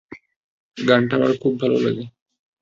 গানটা আমার খুব ভালো লাগে।